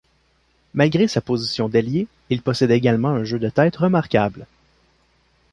Malgré sa position d'ailier, il possédait également un jeu de tête remarquable.